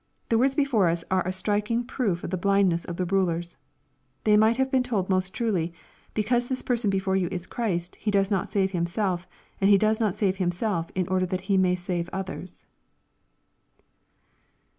The words before us are a striking proof of the blindness of the rulers. They might have been told most truly, Because this person before you is Christ, He does not save Himself; and P© does not save Himself in order that He may save others."